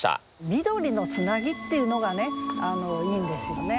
「緑のつなぎ」っていうのがねいいんですよね。